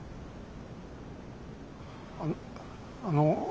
あのあの。